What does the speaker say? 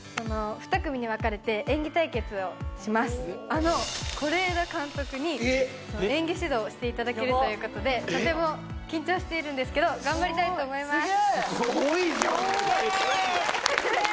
あの是枝監督に演技指導していただけるということでとても緊張しているんですけど頑張りたいと思います